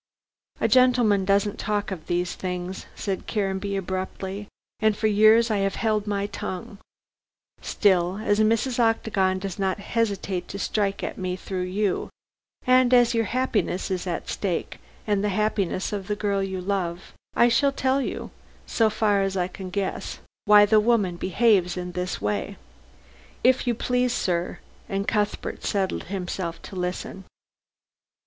"A gentleman doesn't talk of these things," said Caranby abruptly, "and for years I have held my tongue. Still, as Mrs. Octagon does not hesitate to strike at me through you, and as your happiness is at stake, and the happiness of the girl you love, I shall tell you so far as I can guess why the woman behaves in this way." "If you please, sir," and Cuthbert settled himself to listen.